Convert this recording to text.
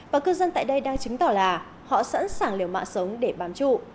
và cư dân tại đây đang chứng tỏ là họ sẵn sàng liều mạ sống để bám trụ